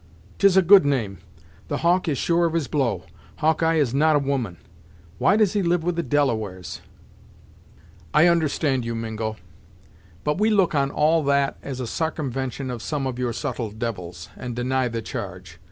"'Tis a good name! The hawk is sure of his blow. Hawkeye is not a woman; why does he live with the Delawares?" "I understand you, Mingo, but we look on all that as a sarcumvention of some of your subtle devils, and deny the charge.